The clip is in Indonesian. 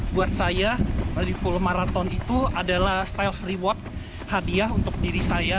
buat saya reful marathon itu adalah self reward hadiah untuk diri saya